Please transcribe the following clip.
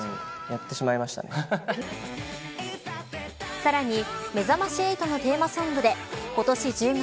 さらにめざまし８のテーマソングで今年１０月